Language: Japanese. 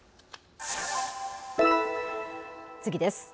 次です。